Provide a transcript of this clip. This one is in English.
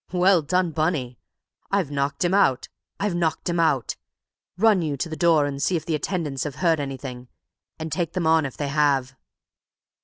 "Well done, Bunny! I've knocked him out—I've knocked him out! Run you to the door and see if the attendants have heard anything, and take them on if they have."